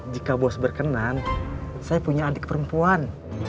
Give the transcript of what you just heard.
jika bos berkenan saya punya adik perempuan